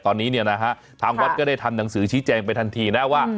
ตอนนี้เนี่ยนะฮะทางวัดก็ได้ทำหนังสือชี้แจงไปทันทีนะว่า